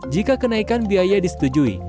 jika kenaikan biaya disetujui